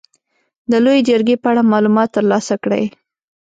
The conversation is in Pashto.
د لويې جرګې په اړه معلومات تر لاسه کړئ.